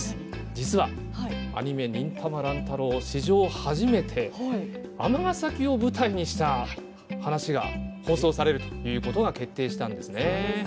実はアニメ「忍たま乱太郎」史上初めて尼崎を舞台にした話が放送されるということが決定したんですね。